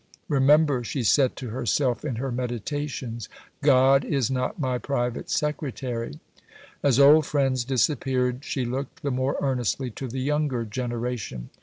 "Remember," she said to herself in her meditations, "God is not my Private Secretary." As old friends disappeared, she looked the more earnestly to the younger generation.